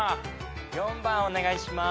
４番お願いします。